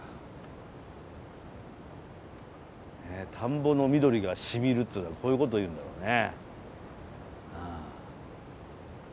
田んぼの緑がしみるっていうのはこういう事をいうんだろうね。